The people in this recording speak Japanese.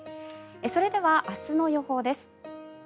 それでは明日の予報です。